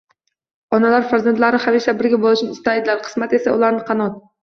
...Onalar farzandlari hamisha birga bo'lishini istaydilar. Qismat esa, ularni qanot